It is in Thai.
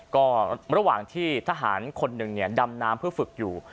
ก็ระหว่างที่ทหารคนหนึ่งดำน้ำเพื่อฝึกอยู่